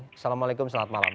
assalamu'alaikum selamat malam